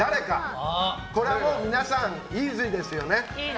これは皆さん、イージーですよね。